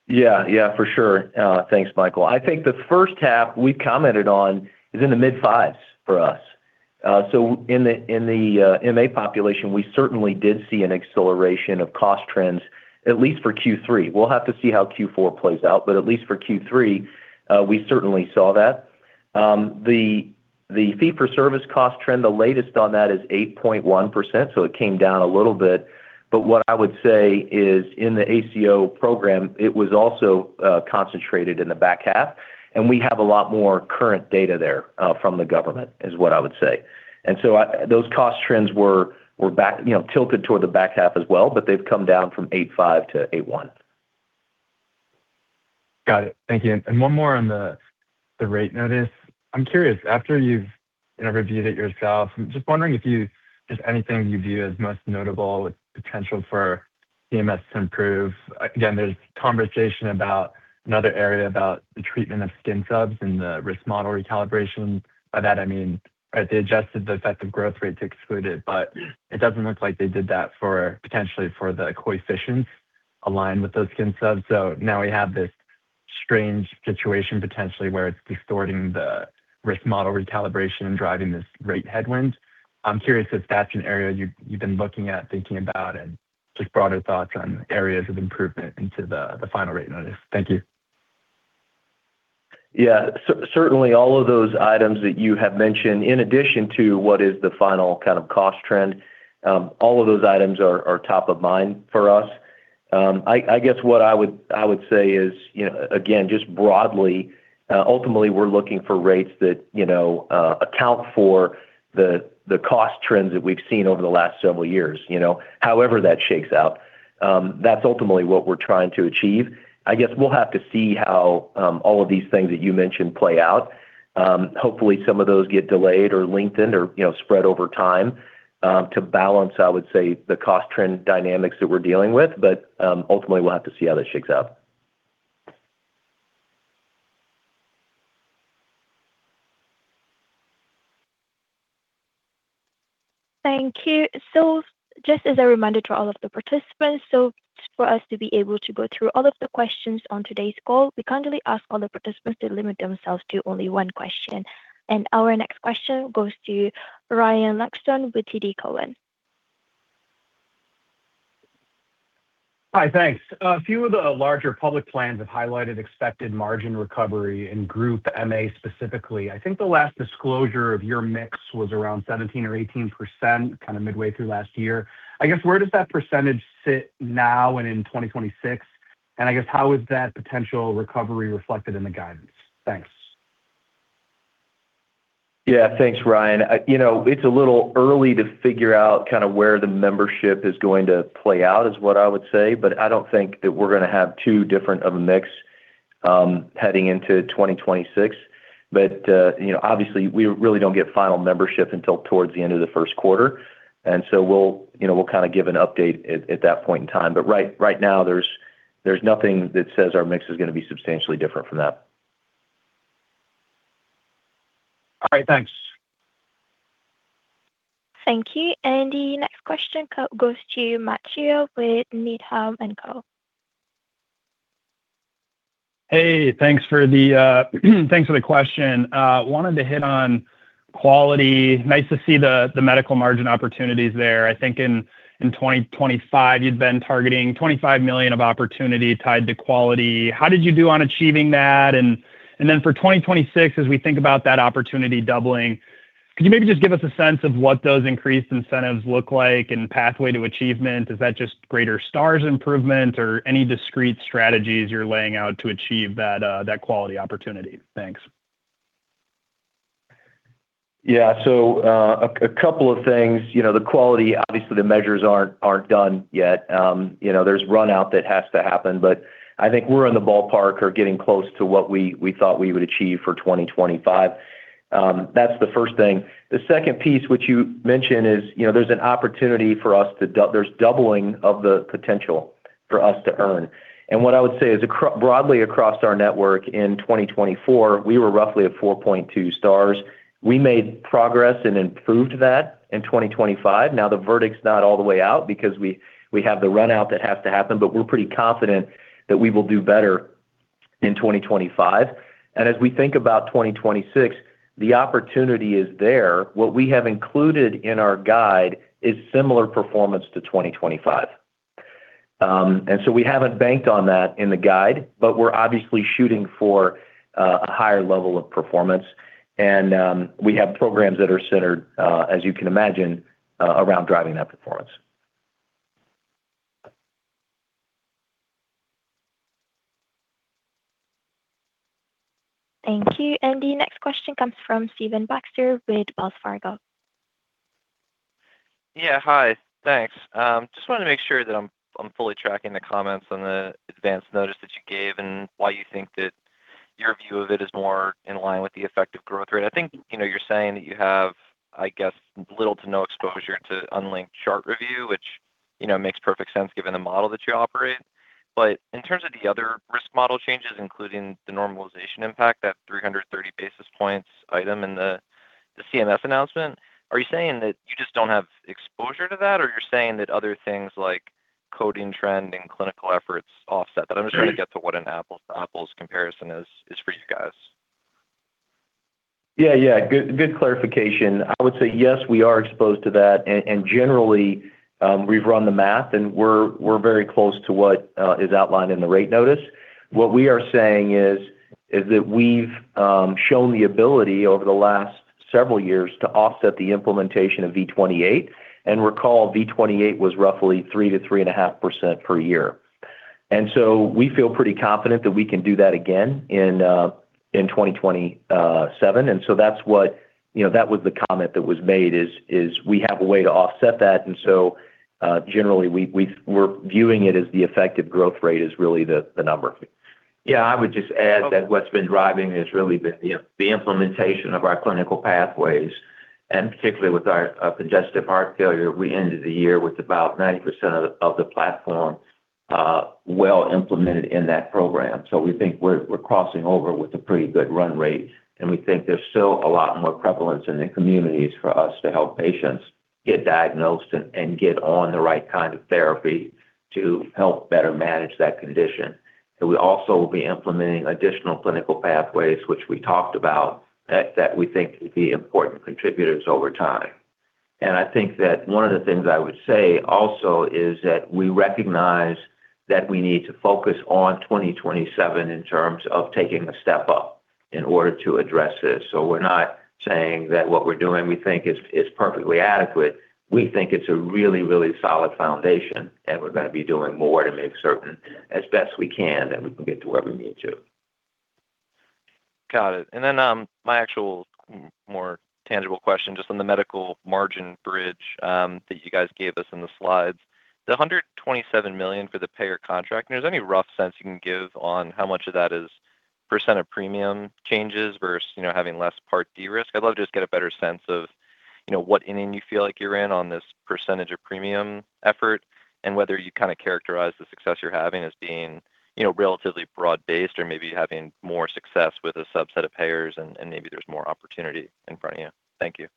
Yeah. Yeah, for sure. Thanks, Michael. I think the first half we've commented on is in the mid-fives for us. In the MA population, we certainly did see an acceleration of cost trends, at least for Q3. We'll have to see how Q4 plays out, but at least for Q3, we certainly saw that. The fee-for-service cost trend, the latest on that is 8.1%, it came down a little bit. What I would say is in the ACO program, it was also concentrated in the back half, we have a lot more current data there from the government, is what I would say. Those cost trends were back, you know, tilted toward the back half as well, but they've come down from 8.5% to 8.1%. Got it. Thank you. One more on the rate notice. I'm curious, after you've, you know, reviewed it yourself, I'm just wondering if there's anything you view as most notable with potential for CMS to improve. Again, there's conversation about another area, about the treatment of skin subs and the risk model recalibration. By that I mean, right, they adjusted the Effective Growth Rates excluded, but it doesn't look like they did that for potentially for the coefficients aligned with those skin subs. Now we have this strange situation potentially where it's distorting the risk model recalibration and driving this rate headwind. I'm curious if that's an area you've been looking at, thinking about, and just broader thoughts on areas of improvement into the final rate notice. Thank you. Certainly all of those items that you have mentioned, in addition to what is the final kind of cost trend, all of those items are top of mind for us. I guess what I would say is, you know, again, just broadly, ultimately we're looking for rates that, you know, account for the cost trends that we've seen over the last several years, you know, however that shakes out. That's ultimately what we're trying to achieve. I guess we'll have to see how all of these things that you mentioned play out. Hopefully, some of those get delayed or lengthened or, you know, spread over time, to balance, I would say, the cost trend dynamics that we're dealing with. Ultimately, we'll have to see how that shakes out. Thank you. Just as a reminder to all of the participants, so for us to be able to go through all of the questions on today's call, we kindly ask all the participants to limit themselves to only one question. Our next question goes to Ryan Langston with TD Cowen. Hi, thanks. A few of the larger public plans have highlighted expected margin recovery in group MA specifically. I think the last disclosure of your mix was around 17% or 18%, kind of midway through last year. I guess, where does that percentage sit now and in 2026? I guess, how is that potential recovery reflected in the guidance? Thanks. Yeah, thanks, Ryan. You know, it's a little early to figure out kind of where the membership is going to play out, is what I would say, but I don't think that we're gonna have two different of a mix, heading into 2026. You know, obviously, we really don't get final membership until towards the end of the first quarter, we'll, you know, we'll kind of give an update at that point in time. Right, right now, there's nothing that says our mix is gonna be substantially different from that. All right, thanks. Thank you. The next question goes to Matthew with Needham & Company. Hey, thanks for the thanks for the question. wanted to hit on quality. Nice to see the medical margin opportunities there. I think in 2025, you'd been targeting $25 million of opportunity tied to quality. How did you do on achieving that? Then for 2026, as we think about that opportunity doubling, could you maybe just give us a sense of what those increased incentives look like and pathway to achievement? Is that just greater Star improvement or any discrete strategies you're laying out to achieve that quality opportunity? Thanks. You know, a couple of things. You know, the quality, obviously, the measures aren't done yet. You know, there's run-out that has to happen, but I think we're in the ballpark or getting close to what we thought we would achieve for 2025. That's the first thing. The second piece, which you mentioned, is, you know, there's an opportunity for us to there's doubling of the potential for us to earn. What I would say is broadly across our network in 2024, we were roughly at 4.2 stars. We made progress and improved that in 2025. Now, the verdict's not all the way out because we have the run-out that has to happen, but we're pretty confident that we will do better in 2025. As we think about 2026, the opportunity is there. What we have included in our guide is similar performance to 2025. We haven't banked on that in the guide, but we're obviously shooting for a higher level of performance. We have programs that are centered, as you can imagine, around driving that performance. Thank you. The next question comes from Stephen Baxter with Wells Fargo. Yeah, hi. Thanks. Just wanted to make sure that I'm fully tracking the comments on the Advance Notice that you gave and why you think that your view of it is more in line with the Effective Growth Rate. I think, you know, you're saying that you have, I guess, little to no exposure to unlinked chart review, which, you know, makes perfect sense given the model that you operate. In terms of the other risk model changes, including the normalization impact, that 330 basis points item in the CMS announcement, are you saying that you just don't have exposure to that, or you're saying that other things like coding trend and clinical efforts offset that? Sure. I'm just trying to get to what an apples-to-apples comparison is for you guys. Good, good clarification. I would say, yes, we are exposed to that, and generally, we've run the math, and we're very close to what is outlined in the rate notice. What we are saying is that we've shown the ability over the last several years to offset the implementation of V28, and recall V28 was roughly 3% to 3.5% per year. We feel pretty confident that we can do that again in 2027. You know, that was the comment that was made, is we have a way to offset that, generally, we're viewing it as the Effective Growth Rate is really the number. Yeah, I would just add that what's been driving has really been the implementation of our clinical pathways, and particularly with our congestive heart failure, we ended the year with about 90% of the platform well implemented in that program. We think we're crossing over with a pretty good run rate, and we think there's still a lot more prevalence in the communities for us to help patients get diagnosed and get on the right kind of therapy to help better manage that condition. We also will be implementing additional clinical pathways, which we talked about, that we think could be important contributors over time. I think that one of the things I would say also is that we recognize that we need to focus on 2027 in terms of taking a step up in order to address this. So we're not saying that what we're doing, we think is perfectly adequate. We think it's a really, really solid foundation, and we're gonna be doing more to make certain, as best we can, that we can get to where we need to. Got it. My actual more tangible question, just on the medical margin bridge that you guys gave us in the slides, the $127 million for the payer contract, and there's any rough sense you can give on how much of that is percent of premium changes versus, you know, having less Part D risk? I'd love to just get a better sense of, you know, what inning you feel like you're in on this percentage of premium effort, and whether you kind of characterize the success you're having as being, you know, relatively broad-based or maybe having more success with a subset of payers and maybe there's more opportunity in front of you. Thank you.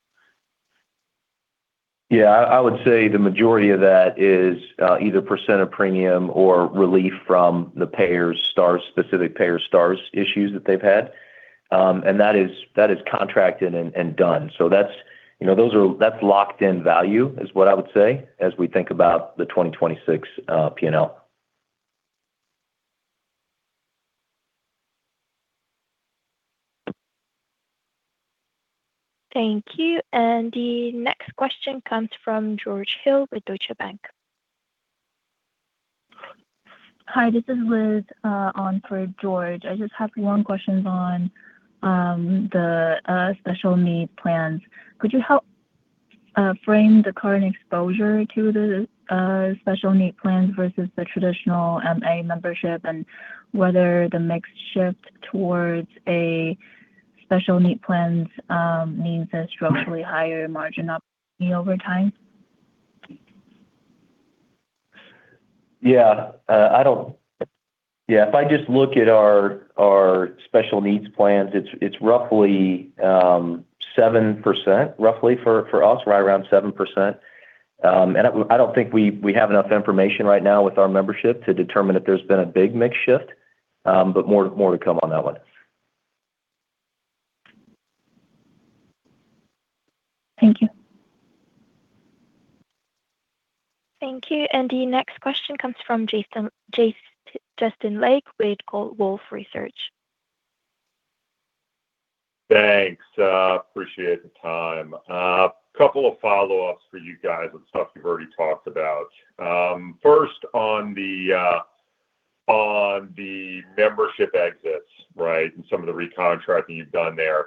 Yeah, I would say the majority of that is either percent of premium or relief from the payers Star, specific payer Star issues that they've had. That is contracted and done. That's, you know, those are, that's locked-in value, is what I would say, as we think about the 2026 P&L. Thank you. The next question comes from George Hill with Deutsche Bank. Hi, this is Liz, on for George. I just have 1 question on the Special Needs Plans. Could you help frame the current exposure to the Special Needs Plans versus the traditional MA membership, and whether the mix shift towards a Special Needs Plans means a structurally higher margin opportunity over time? If I just look at our Special Needs Plans, it's roughly 7%, roughly, for us, right around 7%. I don't think we have enough information right now with our membership to determine if there's been a big mix shift, more to come on that one. Thank you. Thank you. The next question comes from Justin Lake with Wolfe Research. Thanks. Appreciate the time. Couple of follow-ups for you guys on stuff you've already talked about. First, on the membership exits, right, and some of the recontracting you've done there.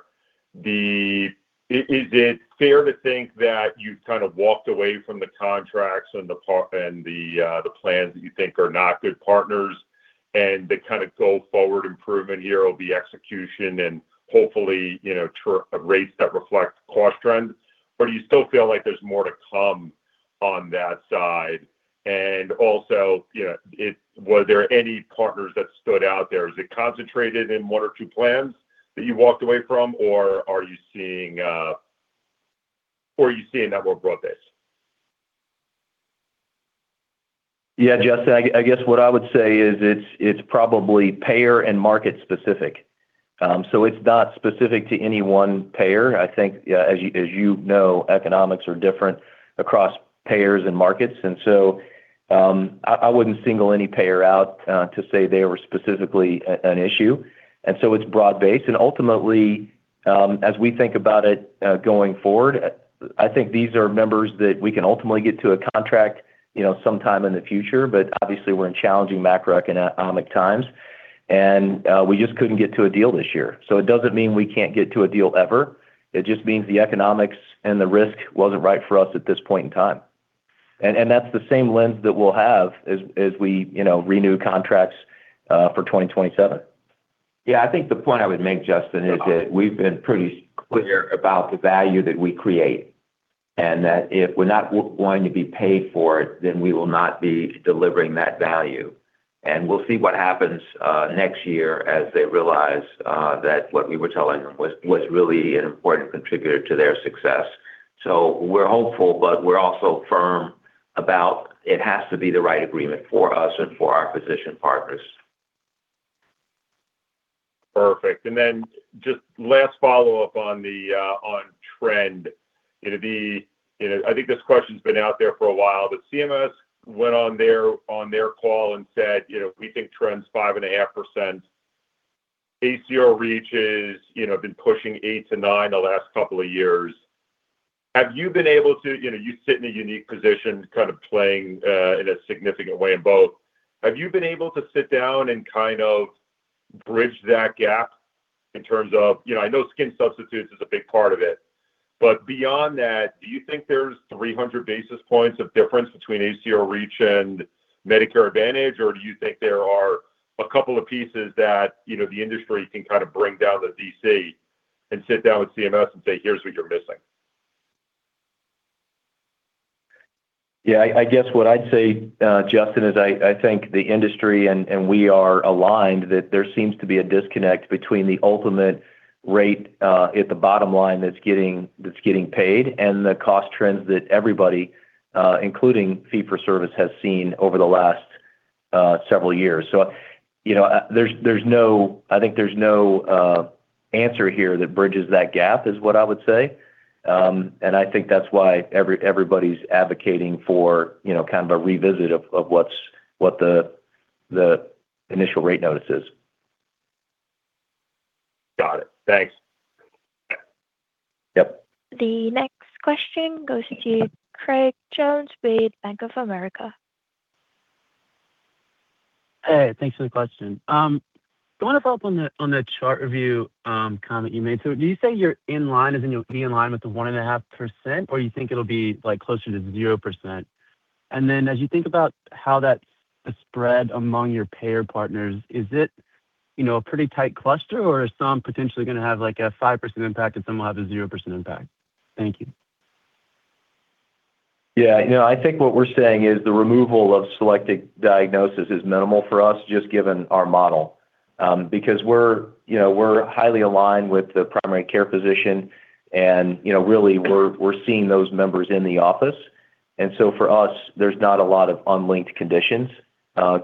Is it fair to think that you've kind of walked away from the contracts and the plans that you think are not good partners, and the kind of go-forward improvement here will be execution and hopefully, you know, rates that reflect cost trends? Or do you still feel like there's more to come on that side? Also, you know, were there any partners that stood out there? Is it concentrated in one or two plans that you walked away from, or are you seeing that more broad-based? Yeah, Justin, I guess what I would say is it's probably payer and market specific. It's not specific to any one payer. I think, as you know, economics are different across payers and markets, I wouldn't single any payer out, to say they were specifically an issue, and so it's broad-based. Ultimately, as we think about it, going forward, I think these are members that we can ultimately get to a contract, you know, sometime in the future. Obviously, we're in challenging macroeconomic times, and we just couldn't get to a deal this year. It doesn't mean we can't get to a deal ever. It just means the economics and the risk wasn't right for us at this point in time. That's the same lens that we'll have as we, you know, renew contracts, for 2027. I think the point I would make, Justin, is that we've been pretty clear about the value that we create, that if we're not wanting to be paid for it, then we will not be delivering that value. We'll see what happens next year as they realize that what we were telling them was really an important contributor to their success. We're hopeful, but we're also firm about it has to be the right agreement for us and for our physician partners. Perfect. Just last follow-up on the on trend. It'll be, you know, I think this question's been out there for a while, CMS went on their, on their call and said, "You know, we think trend's 5.5%." ACO REACH is, you know, been pushing 8%-9% the last couple of years. Have you been able to... You know, you sit in a unique position, kind of playing in a significant way in both. Have you been able to sit down and kind of bridge that gap in terms of... You know, I know skin substitutes is a big part of it, but beyond that, do you think there's 300 basis points of difference between ACO REACH and Medicare Advantage, or do you think there are a couple of pieces that, you know, the industry can kind of bring down to D.C. and sit down with CMS and say, "Here's what you're missing? Yeah, I guess what I'd say, Justin, is I think the industry and we are aligned that there seems to be a disconnect between the ultimate rate at the bottom line that's getting paid, and the cost trends that everybody, including fee-for-service, has seen over the last several years. You know, I think there's no answer here that bridges that gap, is what I would say. I think that's why everybody's advocating for, you know, kind of a revisit of what the initial rate notice is. Got it. Thanks. Yep. The next question goes to Craig Jones with Bank of America. Hey, thanks for the question. I wanna follow up on the, on the chart review, comment you made. Do you say you're in line, as in, you'll be in line with the 1.5%, or you think it'll be, like, closer to 0%? As you think about how that's spread among your payer partners, is it, you know, a pretty tight cluster, or are some potentially gonna have, like, a 5% impact and some will have a 0% impact? Thank you. Yeah, you know, I think what we're saying is the removal of selected diagnosis is minimal for us, just given our model. Because we're, you know, we're highly aligned with the primary care physician and, you know, really, we're seeing those members in the office. For us, there's not a lot of unlinked conditions,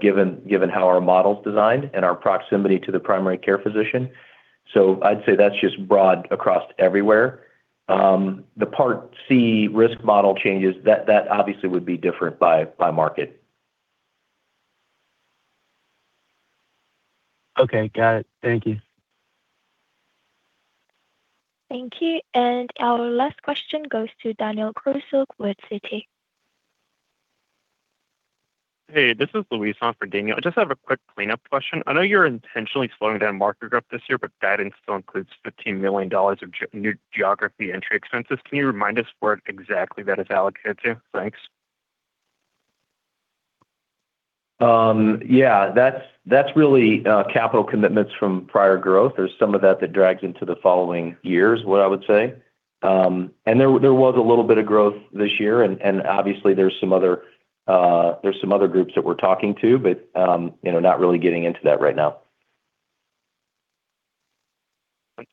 given how our model is designed and our proximity to the primary care physician. I'd say that's just broad across everywhere. The Part C risk model changes, that obviously would be different by market. Okay, got it. Thank you. Thank you. Our last question goes to Daniel Grosslight, Citi. Hey, this is Luis on for Daniel. I just have a quick cleanup question. I know you're intentionally slowing down market growth this year, that still includes $15 million of new geography entry expenses. Can you remind us where exactly that is allocated to? Thanks. Yeah, that's really, capital commitments from prior growth. There's some of that that drags into the following years, what I would say. There was a little bit of growth this year, and obviously there's some other groups that we're talking to, but, you know, not really getting into that right now.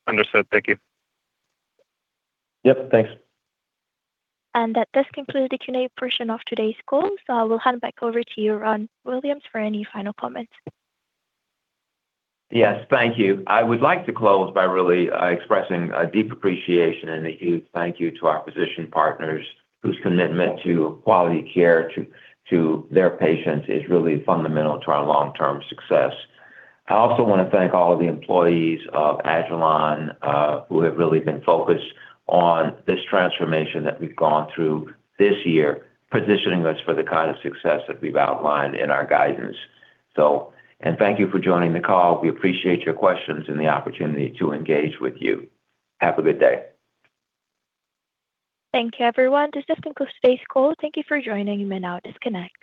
Understood. Thank you. Yep, thanks. That does conclude the Q&A portion of today's call, so I will hand it back over to you, Ron Williams, for any final comments. Yes, thank you. I would like to close by really expressing a deep appreciation and a huge thank you to our physician partners whose commitment to quality care to their patients is really fundamental to our long-term success. I also want to thank all of the employees of agilon who have really been focused on this transformation that we've gone through this year, positioning us for the kind of success that we've outlined in our guidance. Thank you for joining the call. We appreciate your questions and the opportunity to engage with you. Have a good day. Thank you, everyone. This does conclude today's call. Thank you for joining. You may now disconnect.